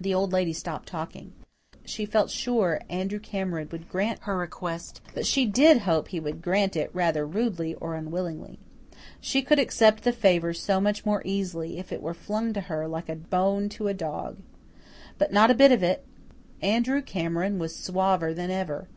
The Old Lady stopped talking. She felt sure Andrew Cameron would grant her request, but she did hope he would grant it rather rudely or unwillingly. She could accept the favour so much more easily if it were flung to her like a bone to a dog. But not a bit of it. Andrew Cameron was suaver than ever.